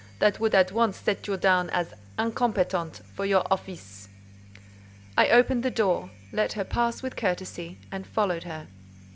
"That would at once set you down as incompetent for your office." I opened the door, let her pass with courtesy, and followed her.